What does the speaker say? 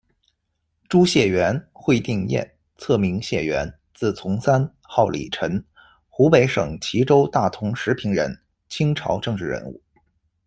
朱燮元，讳定焱，册名燮元，字从三，号礼臣，湖北省蕲州大同石坪人，清朝政治人物。